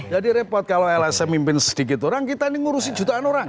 jadi repot kalau lsm memimpin sedikit orang kita ini mengurusi jutaan orang